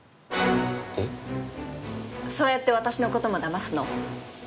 えっそうやって私のこともダマすの？